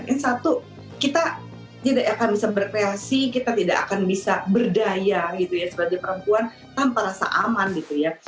yang satu kita tidak akan bisa berkreasi kita tidak akan bisa berdaya gitu ya sebagai perempuan tanpa rasa aman gitu ya